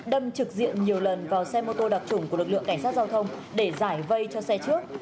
đâm trực diện nhiều lần vào xe mô tô đặc trủng của lực lượng cảnh sát giao thông để giải vây cho xe trước